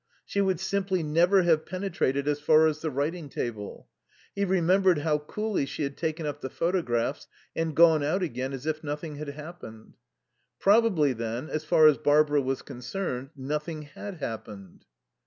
She would simply never have penetrated as far as the writing table. He remembered how coolly she had taken up the photographs and gone out again as if nothing had happened. Probably, then, as far as Barbara was concerned, nothing had happened.